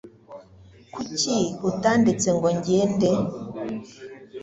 Kuki utandetse ngo ndebe?